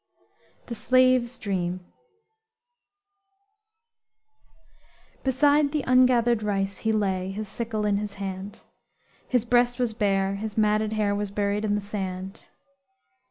THE SLAVE'S DREAM Beside the ungathered rice he lay, His sickle in his hand; His breast was bare, his matted hair Was buried in the sand.